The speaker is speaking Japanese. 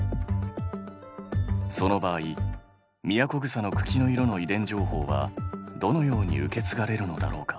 その場合ミヤコグサの茎の色の遺伝情報はどのように受けつがれるのだろうか？